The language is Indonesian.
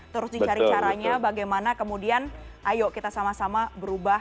terus dicari caranya bagaimana kemudian ayo kita sama sama berubah